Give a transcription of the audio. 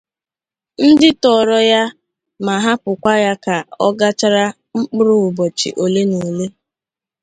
ndị tọọrọ ya ma hapụkwa ya ka ọ gachara mkpụrụ ụbọchị olenaole